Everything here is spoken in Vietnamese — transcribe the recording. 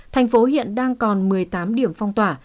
thành phố hiện đang còn một mươi tám điểm phong tỏa